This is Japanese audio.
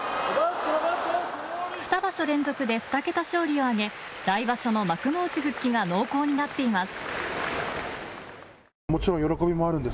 二場所連続で２桁勝利を挙げ来場所の幕内復帰が濃厚になっています。